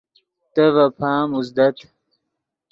تے ڤے پام اوزدت